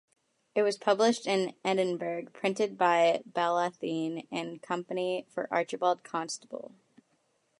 It was published in Edinburgh, printed by Ballantyne and Company for Archibald Constable.